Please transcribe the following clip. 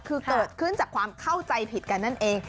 คือเกิดขึ้นจากความเข้าใจผิดกันนั่นเอง